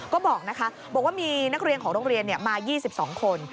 ก็บอกนะคะบอกว่ามีนักเรียนของโรงเรียนมา๒๒คน